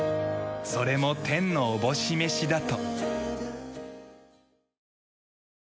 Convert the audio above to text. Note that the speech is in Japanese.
それも天のおぼしめしだと。